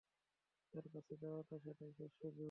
ওর কাছে যাওয়ার এটাই শেষ সুযোগ।